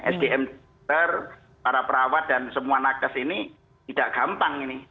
sdm para perawat dan semua nakes ini tidak gampang ini